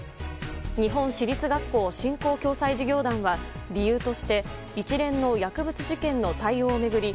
日本私立学校振興・共済事業団は理由として一連の薬物事件の対応を巡り